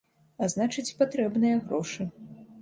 А значыць патрэбныя грошы.